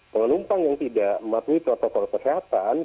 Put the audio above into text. pengemudi yang tidak mengikuti protokol kesehatan